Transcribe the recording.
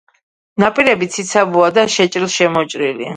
ნაპირები ციცაბოა და შეჭრილ-შემოჭრილი.